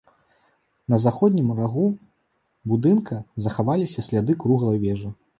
На заходнім рагу будынка захаваліся сляды круглай вежы.